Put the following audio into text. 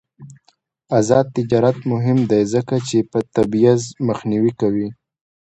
آزاد تجارت مهم دی ځکه چې تبعیض مخنیوی کوي.